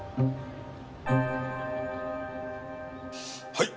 はい。